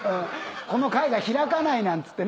この貝が開かないなんつってね。